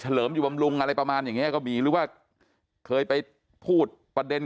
เลิมอยู่บำรุงอะไรประมาณอย่างเงี้ก็มีหรือว่าเคยไปพูดประเด็น